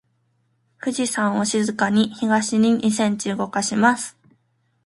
富士山を静かに東に二センチ動かします。